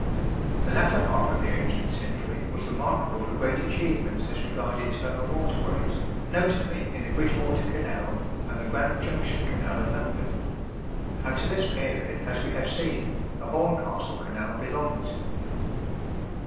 The latter half of the 18th century was remarkable for great achievements as regards internal waterways, notably in the Bridgewater Canal, and the Grand Junction Canal of London; and to this period, as we have seen, the Horncastle Canal belongs.